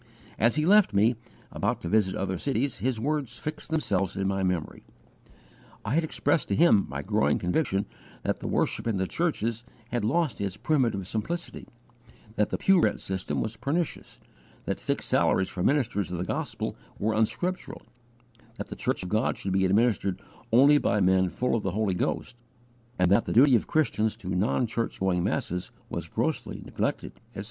As he left me, about to visit other cities, his words fixed themselves in my memory. I had expressed to him my growing conviction that the worship in the churches had lost its primitive simplicity; that the pew rent system was pernicious; that fixed salaries for ministers of the gospel were unscriptural; that the church of God should be administered only by men full of the Holy Ghost, and that the duty of Christians to the non church going masses was grossly neglected, etc.